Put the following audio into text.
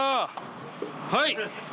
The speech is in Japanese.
はい！